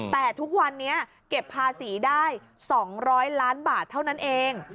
แต่ทุกวันนี้เก็บภาษีได้๒๐๐ล้านบาทเท่านั้นเอง